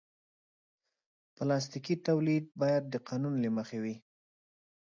پلاستيکي تولید باید د قانون له مخې وي.